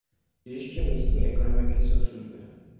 Těžištěm místní ekonomiky jsou služby.